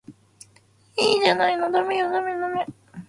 いいじゃないのダメよダメダメ